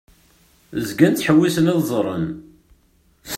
Zgan ttḥewwisen ad ẓren.